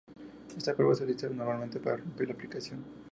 Esta prueba se utiliza normalmente para romper la aplicación.